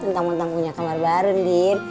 tentang tentang punya kamar baru ndien